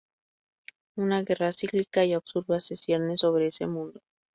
Una guerra cíclica y absurda se cierne sobre ese mundo.